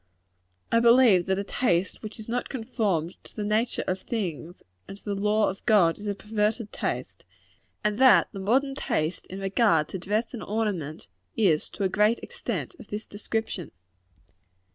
I believe that a taste which is not conformed to the nature of things and to the law of God, is a perverted taste; and that the modern taste in regard to dress and ornament, is, to a great extent, of this description.